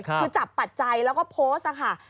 คือจับปัจจัยแล้วก็โพสต์ค่ะ